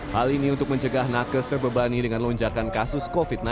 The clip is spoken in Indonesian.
hal ini untuk mencegah nakes terbebani dengan lonjakan kasus covid sembilan belas